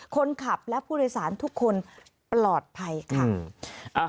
คนขับและผู้โดยสารทุกคนปลอดภัยค่ะ